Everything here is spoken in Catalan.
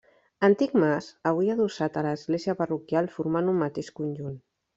Antic mas, avui adossat a l'església parroquial formant un mateix conjunt.